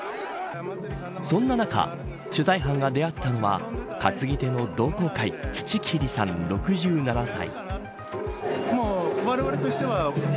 そんな中、取材班が出会ったのは担ぎ手の同好会土切さん、６７歳。